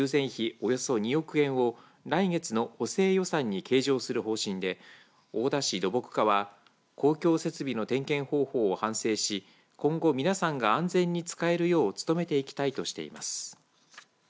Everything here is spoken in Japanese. およそ２億円を来月の補正予算に計上する方針で大田市土木課は公共設備の点検方法を反省し今後皆さんが安全に使えるよう努めていきたいとしています。